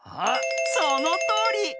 そのとおり！